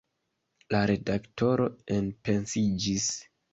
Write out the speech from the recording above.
La redaktoro enpensiĝis.